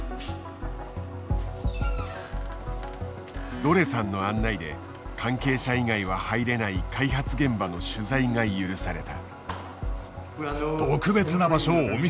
ドレさんの案内で関係者以外は入れない開発現場の取材が許された。